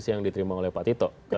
yang diterima oleh pak tito